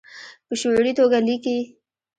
په شعوري توګه لیکي